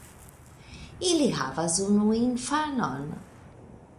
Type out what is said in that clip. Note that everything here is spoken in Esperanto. Ili havas unu infanon.